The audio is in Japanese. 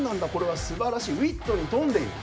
「すばらしい」「ウイットに富んでいる」